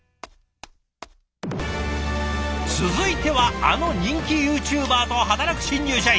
続いてはあの人気ユーチューバーと働く新入社員。